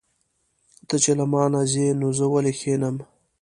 ته چې له مانه ځې نو زه ولې کښېنم.